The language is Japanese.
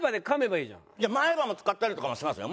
前歯も使ったりとかもしますよ。